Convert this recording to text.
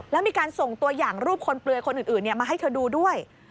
แล้วมีการส่งตัวอย่างรูปคนเปลือยคนอื่นมาให้เธอดูด้วย